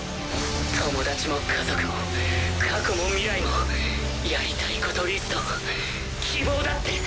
友達も家族も過去も未来もやりたいことリスト希望だって。